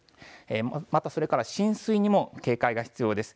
それから浸水にも警戒が必要です。